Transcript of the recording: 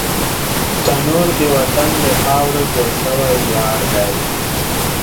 تنور د وطن له خاورو جوړ شوی ویاړ دی